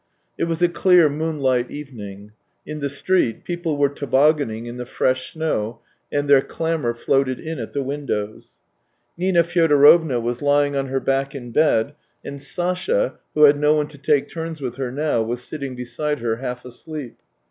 It was a clear moonlight evening. In the street people were tobogganing in the fresh snow, and their clamour floated in at the window. Nina Fyodorovna was lying on her back in bed, and Sasha, who had no one to take turns with her now, was sitting beside her half asleep.